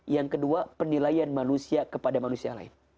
yang kedua penilaian manusia kepada manusia lain